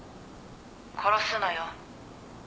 殺すのよ」